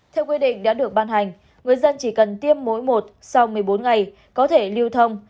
theo quy định đã được ban hành người dân chỉ cần tiêm mỗi một sau một mươi bốn ngày có thể lưu thông